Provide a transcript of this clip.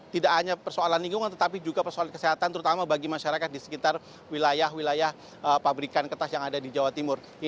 tidak hanya persoalan lingkungan tetapi juga persoalan kesehatan terutama bagi masyarakat di sekitar wilayah wilayah pabrikan kertas yang ada di jawa timur